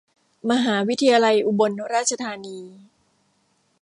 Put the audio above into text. มหาวิทยาลัยอุบลราชธานี